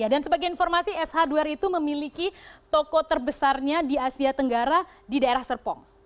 dan sebagai informasi s hardware itu memiliki toko terbesarnya di asia tenggara di daerah serpong